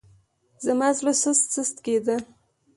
زما زړه سست سست کېدو.